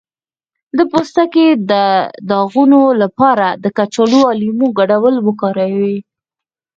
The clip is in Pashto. د پوستکي د داغونو لپاره د کچالو او لیمو ګډول وکاروئ